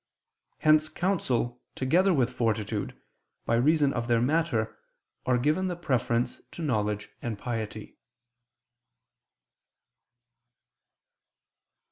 Hence counsel together with fortitude, by reason of their matter, are given the preference to knowledge and piety.